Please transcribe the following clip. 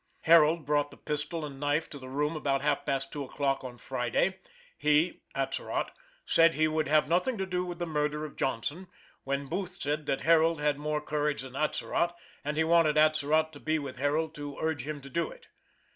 Harold brought the pistol and knife to the room about half past two o'clock on Friday. He (Atzerott) said he would have nothing to do with the murder of Johnson, when Booth said that Harold had more courage than Atzerott, and he wanted Atzerott to be with Harold to urge him to do it.